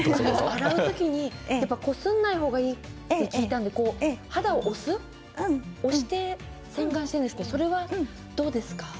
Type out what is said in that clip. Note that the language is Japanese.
洗う時にこすらない方がいいと聞いたんですが肌を押して洗顔しているんですがそれはどうですか。